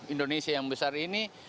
indonesia yang besar ini